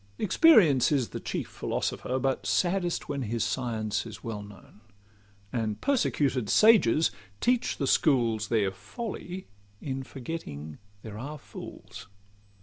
Experience is the chief philosopher, But saddest when his science is well known: And persecuted sages teach the schools Their folly in forgetting there are fools.